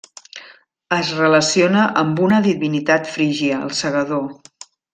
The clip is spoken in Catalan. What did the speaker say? Es relaciona amb una divinitat frígia, el Segador.